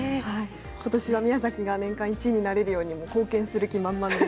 ことしは宮崎が年間１位になれるように貢献する気満々です。